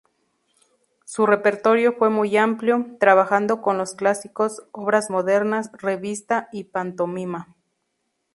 Su repertorio fue muy amplio, trabajando con los clásicos, obras modernas, revista y pantomima.